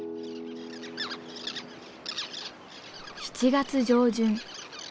７月上旬。